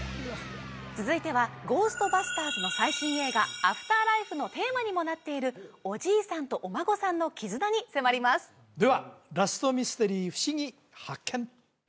続いては「ゴーストバスターズ」の最新映画「アフターライフ」のテーマにもなっているおじいさんとお孫さんの絆に迫りますではラストミステリーふしぎ発見！